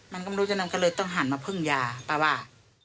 มันก็ไม่รู้ฉะนั้นก็เลยต้องหันมาพึ่งยาป้าว่า